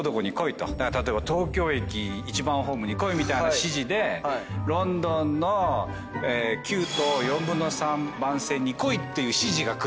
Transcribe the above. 例えば東京駅１番ホームに来いみたいな指示でロンドンの９と３／４番線に来いっていう指示が来るわけですよ。